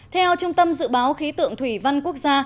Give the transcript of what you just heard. theo trung tâm dự báo khí tượng thủy văn quốc gia